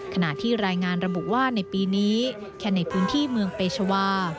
ขณะที่รายงานระบุว่าในปีนี้แค่ในพื้นที่เมืองเปชวา